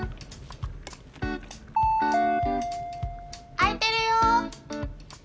開いてるよ。